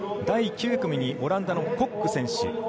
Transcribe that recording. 第９組にオランダのコック選手。